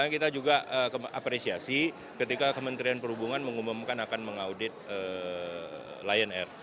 kita juga apresiasi ketika kementerian perhubungan mengumumkan akan mengaudit lion air